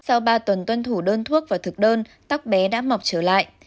sau ba tuần tuân thủ đơn thuốc và thực đơn các bé đã mọc trở lại